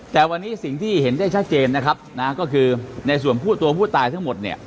แต่วันนี้สิ่งที่เห็นได้ชัดเจนนะครับนะก็คือในส่วนผู้ตัวผู้ตายทั้งหมดเนี่ย